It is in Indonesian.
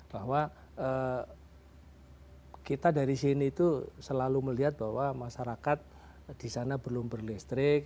bahwa kita dari sini tuh selalu melihat bahwa masyarakat disana belum berlistrik